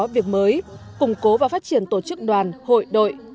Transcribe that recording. việc mới củng cố và phát triển tổ chức đoàn hội đội